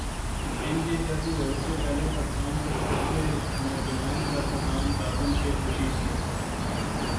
ان کے سیاسی ظہور سے پہلے، پاکستان کے سب سے "نوجوان سیاست دان" غالبا شیخ رشید تھے۔